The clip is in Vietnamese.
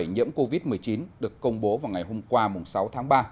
nhiễm covid một mươi chín được công bố vào ngày hôm qua sáu tháng ba